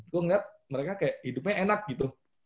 gue ngeliat mereka kayak hidupnya enak gitu